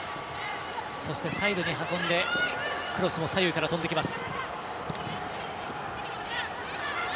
そして、サイドに運んでクロスも左右から飛んできます。